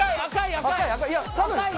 赤い！